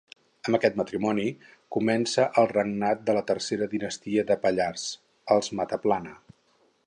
Amb aquest matrimoni, comença el regnat de la tercera dinastia de Pallars: els Mataplana.